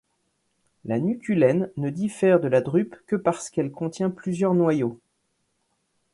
La nuculaine ne diffère de la drupe que parce qu'elle contient plusieurs noyaux.